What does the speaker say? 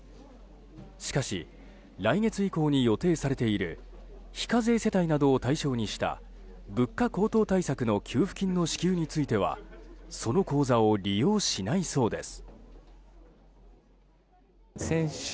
しかし来月以降に予定されている非課税世帯などを対象にした物価高騰対策の給付金の支給についてはその口座を利用しないそうです。